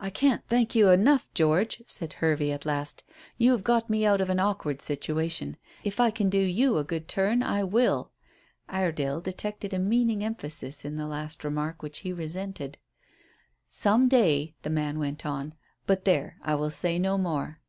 "I can't thank you enough, George," said Hervey at last. "You have got me out of an awkward situation. If I can do you a good turn, I will." Iredale detected a meaning emphasis in the last remark which he resented. "Some day," the man went on; "but there I will say no more."